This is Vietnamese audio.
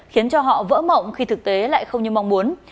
khiến cho họ vỡ mộng khi thực tế lại không như mong muốn